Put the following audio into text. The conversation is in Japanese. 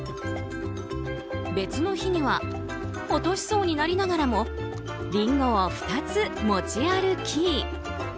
別の日には落としそうになりながらもリンゴを２つ持ち歩き。